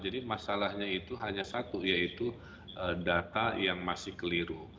jadi masalahnya itu hanya satu yaitu data yang masih keliru